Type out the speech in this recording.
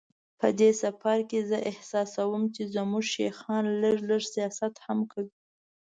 په دې سفر کې زه احساسوم چې زموږ شیخان لږ لږ سیاست هم کوي.